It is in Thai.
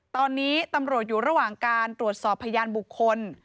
ตอนนี้ตำรวจอยู่ระหว่างการตรวจสอบพยานบุคคล